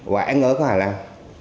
và ăn ở của hà lao